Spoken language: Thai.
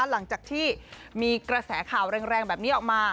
หลังจากที่มีกระแสข่าวแรงแบบนี้ออกมา